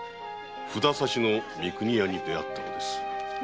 札差の三国屋に出会ったのです。